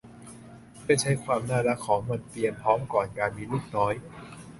เพื่อใช้ความน่ารักของมันเตรียมพร้อมก่อนการมีลูกน้อย